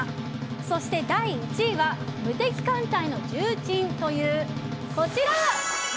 そして、第１位は無敵艦隊の重鎮というこちら。